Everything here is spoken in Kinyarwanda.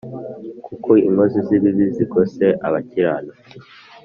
kuko inkozi z’ibibi zigose abakiranutsi